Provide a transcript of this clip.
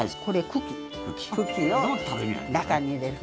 茎を中に入れる。